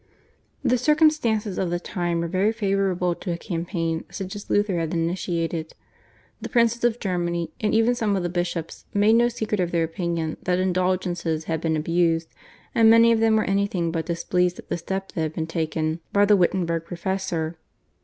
The circumstances of the time were very favourable to a campaign such as Luther had initiated. The princes of Germany and even some of the bishops made no secret of their opinion that indulgences had been abused, and many of them were anything but displeased at the step that had been taken by the Wittenberg professor.